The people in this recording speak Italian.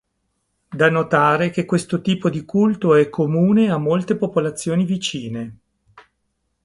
Da notare che questo tipo di culto è comune a molte popolazioni vicine.